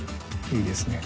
いいですね。